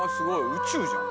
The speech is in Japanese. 宇宙じゃん。